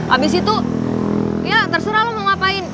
abis itu ya terserah lo mau ngapain